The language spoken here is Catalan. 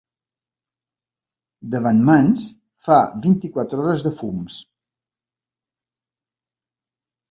Davant Mans fa vint-i-quatre hores de fums.